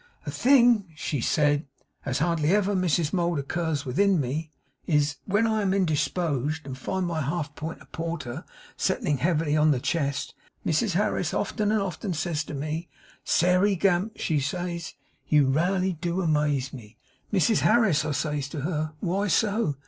'A thing,' she said, 'as hardly ever, Mrs Mould, occurs with me unless it is when I am indispoged, and find my half a pint of porter settling heavy on the chest. Mrs Harris often and often says to me, "Sairey Gamp," she says, "you raly do amaze me!" "Mrs Harris," I says to her, "why so?